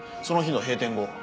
その日の閉店後。